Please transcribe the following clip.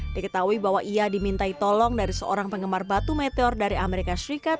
diketahui bahwa ia dimintai tolong dari seorang penggemar batu meteor dari amerika serikat